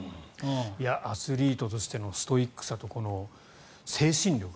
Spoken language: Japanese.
アスリートとしてのストイックさとこの精神力。